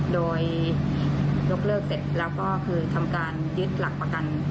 โดยยกเลิกเสร็จแล้วก็คือทำการยึดหลักประกัน